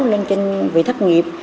lên trên vị thách nghiệp